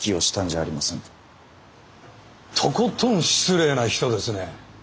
とことん失礼な人ですね。